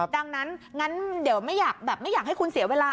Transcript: ดังนั้นงั้นไม่อยากให้คุณเสียเวลา